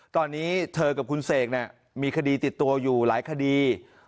ตอนนี้เธอกับคุณเสกมีคดีติดตัวอยู่หลายคดี